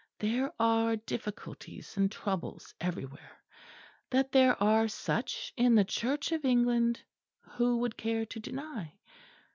There are difficulties and troubles everywhere; that there are such in the Church of England, who would care to deny?